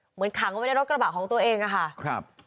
เหมือนขังเอาไว้ในรถกระบะของตัวเองอะค่ะครับ